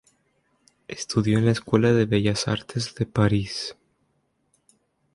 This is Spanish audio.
Estudió en la Escuela de Bellas Artes de París.